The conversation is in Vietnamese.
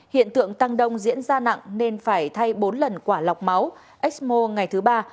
hiện tượng tăng đông diễn ra nặng nên phải thay bốn lần quả lọc máu ecmo ngày thứ ba